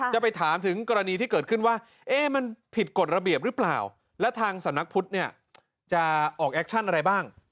จะไปถามถึงกรณีที่เกิดขึ้นว่ามันผิดกฎระเบียบหรือเปล่าและทางสำนักพุทธเนี่ยจะออกแอคชั่นอะไรบ้าง